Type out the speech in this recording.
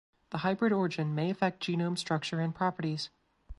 The hybrid origin may affect genome structure and properties.